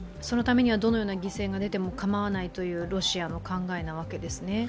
そのためにはどのような犠牲が出ても構わないというロシアの考えなわけですね。